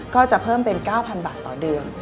ก็จะเพิ่มเป็น๙๐๐บาทต่อเดือน